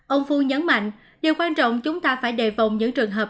ông phu nhấn mạnh điều quan trọng chúng ta phải đề phòng những trường hợp